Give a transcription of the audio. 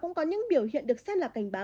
cũng có những biểu hiện được xem là cảnh báo